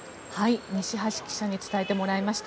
西橋記者に伝えてもらいました。